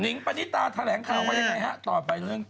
หนิงประดิษฐาแถลงคลาวกันยังไงฮะต่อไปเรื่อง